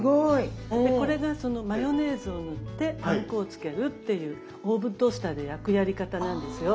これがそのマヨネーズを塗ってパン粉をつけるっていうオーブントースターで焼くやり方なんですよ。